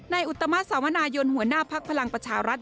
นายอุตมาสศาลมณายนหัวหน้าภักรพลังประชารัฐ